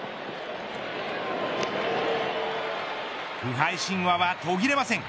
不敗神話は途切れません。